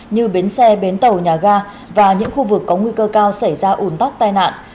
như bến xe bến tàu nhà ga và những khu vực có nguy cơ cao xảy ra ủn tắc tai nạn